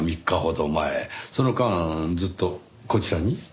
その間ずっとこちらに？